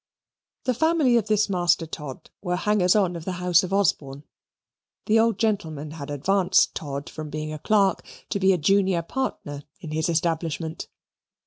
The family of this Master Todd were hangers on of the house of Osborne. The old gentleman had advanced Todd from being a clerk to be a junior partner in his establishment.